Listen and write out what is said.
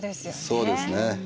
そうですね。